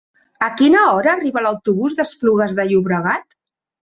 A quina hora arriba l'autobús d'Esplugues de Llobregat?